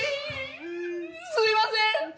すいません！